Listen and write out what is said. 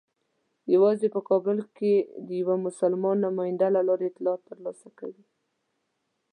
یوازې په کابل کې د یوه مسلمان نماینده له لارې اطلاعات ترلاسه کوي.